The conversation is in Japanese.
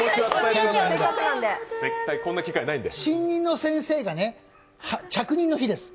新任の先生がね、着任の日です。